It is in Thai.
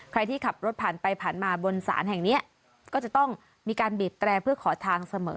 ใครที่ขับรถผ่านไปผ่านมาบนศาลแห่งนี้ก็จะต้องมีการบีบแตรเพื่อขอทางเสมอ